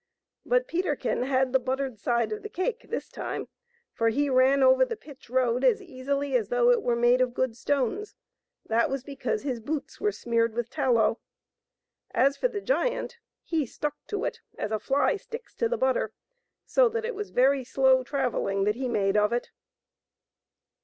But Peterkin had the buttered side of the cake this time, for he ran over the pitch road as easily as though it were made of good stones; that was because his boots were smeared with tallow. As for the giant, he stuck to it as a fly sticks to the butter, so that it was very slow travelling that he made of it.